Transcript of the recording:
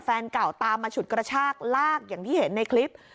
แฟนเก่าตามมาฉุดกระชากลากอย่างที่เห็นในคลิป